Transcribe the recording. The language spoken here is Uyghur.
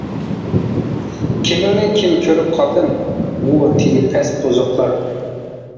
كىمىڭنى كىم كۆرۈپ قالدىڭ ۋۇ تېگى پەس بۇزۇقلار؟ !